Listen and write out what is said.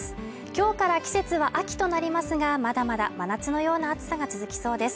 今日から季節は秋となりますがまだまだ真夏のような暑さが続きそうです